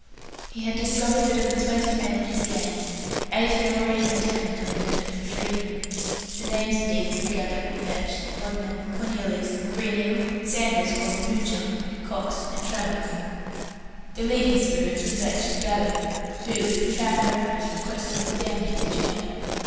He had discovered that of the twenty men in his gang eight had already determined on an effort for freedom. The names of these eight were Gabbett, Vetch, Bodenham, Cornelius, Greenhill, Sanders, called the "Moocher", Cox, and Travers. The leading spirits were Vetch and Gabbett, who, with profound reverence, requested the "Dandy" to join.